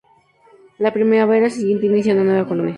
La primavera siguiente inician una nueva colonia.